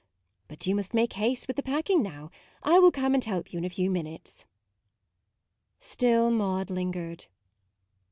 But you must make haste with the packing now: I will come and help you in a few minutes." Still Maude lingered.